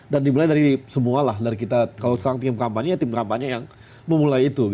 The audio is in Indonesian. dan dimulai dari semua lah kalau sekarang tim kampanye ya tim kampanye yang memulai itu